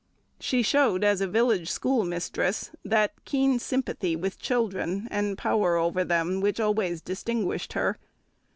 She showed, as a village schoolmistress, that keen sympathy with children and power over them which always distinguished her.